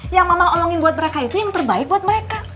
yang mama olongin buat mereka itu yang terbaik buat mereka